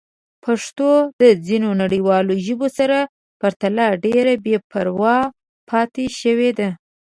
پښتو د ځینو نړیوالو ژبو سره پرتله ډېره بې پروا پاتې شوې ده.